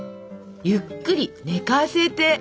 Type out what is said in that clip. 「ゆっくり寝かせて」。